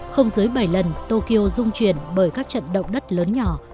không dưới bảy lần tokyo dung truyền bởi các trận động đất lớn nhỏ